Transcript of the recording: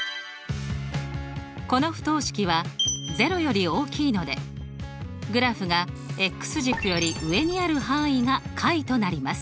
この不等式は０より大きいのでグラフが軸より上にある範囲が解となります。